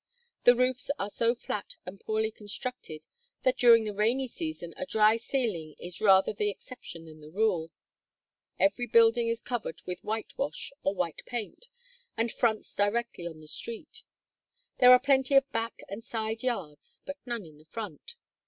The roofs are so flat and poorly constructed that during the rainy season a dry ceiling is rather the exception than the rule. Every building is covered with whitewash or white paint, and fronts directly on the street. There are plenty of back and side yards, but none in front.